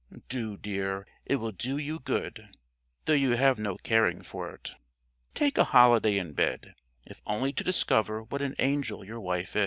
"Do, dear; it will do you good, though you have no caring for it." Take a holiday in bed, if only to discover what an angel your wife is.